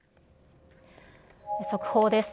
速報です。